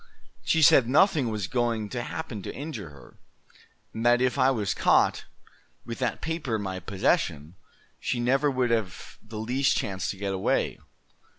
She said nothing was going to happen to injure her; and that if I was caught, with that paper in my possession, she never would have the least chance to get away.